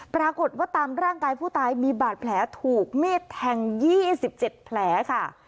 ปรากฏว่าตามร่างกายผู้ตายมีบาดแผลถูกเมตรแทงยี่สิบเจ็ดแผลค่ะ